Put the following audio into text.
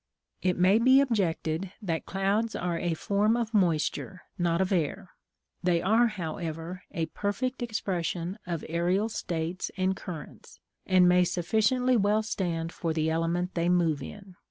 It may be objected that clouds are a form of moisture, not of air. They are, however, a perfect expression of aërial states and currents, and may sufficiently well stand for the element they move in.